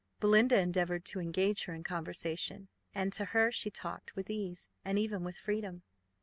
Belinda endeavoured to engage her in conversation, and to her she talked with ease and even with freedom.